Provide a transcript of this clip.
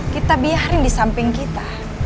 kita biarin di samping kita